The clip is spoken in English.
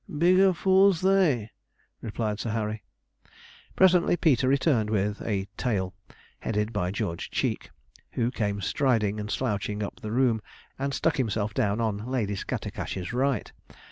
'Bigger fools they,' replied Sir Harry. Presently Peter returned with a tail, headed by George Cheek, who came striding and slouching up the room, and stuck himself down on Lady Scattercash's right.